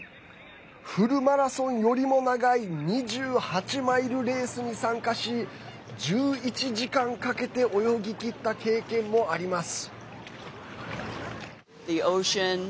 フルマラソンよりも長い２８マイルレースに参加し１１時間かけて泳ぎきった経験もあります。